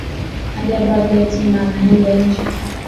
Hajavaa viatu na anaenda nje